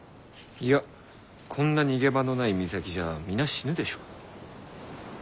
いやこんな逃げ場のない岬じゃあ皆死ぬでしょう。